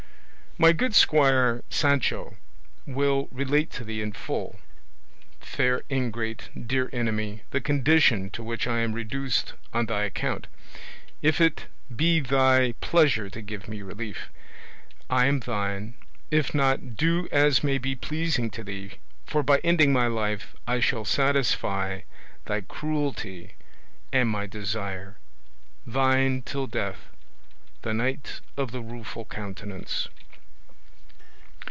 My good squire Sancho will relate to thee in full, fair ingrate, dear enemy, the condition to which I am reduced on thy account: if it be thy pleasure to give me relief, I am thine; if not, do as may be pleasing to thee; for by ending my life I shall satisfy thy cruelty and my desire. "Thine till death, "The Knight of the Rueful Countenance."